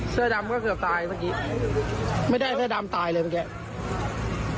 เสื้อดำก็เกือบตายเมื่อกี้ไม่ได้เสื้อดำตายเลยเมื่อกี้